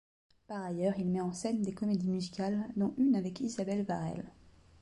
Par ailleurs, il met en scène des comédies musicales, dont une avec Isabel Varell.